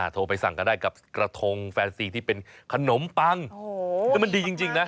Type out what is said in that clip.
โทรไปสั่งกันได้กับกระทงแฟนซีที่เป็นขนมปังโอ้โหมันดีจริงนะ